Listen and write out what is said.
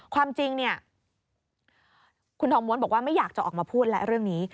ความจริงคุณทองมวลบอกว่าไม่อยากจะออกมาพูดเรื่องนี้